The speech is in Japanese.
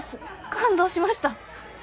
感動しました！